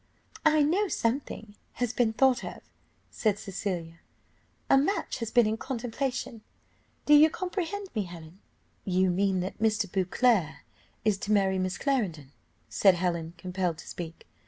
"I know something has been thought of," said Cecilia. "A match has been in contemplation do you comprehend me, Helen?" "You mean that Mr. Beauclerc is to marry Miss Clarendon," said Helen, compelled to speak.